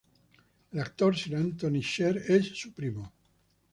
El actor Sir Antony Sher es su primo.